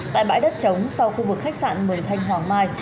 tại bãi đất chống sau khu vực khách sạn mường thanh hoàng mai